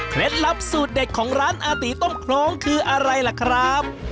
ลับสูตรเด็ดของร้านอาตีต้มโครงคืออะไรล่ะครับ